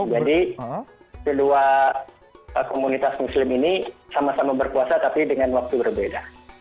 jadi kedua komunitas muslim ini sama sama berpuasa tapi dengan waktu berbeda